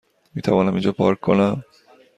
میتوانم اینجا پارک کنم؟